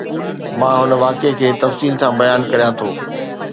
مان هن واقعي کي تفصيل سان بيان ڪريان ٿو